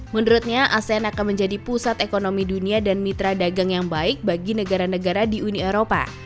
menurutnya asean akan menjadi pusat ekonomi dunia dan mitra dagang yang baik bagi negara negara di uni eropa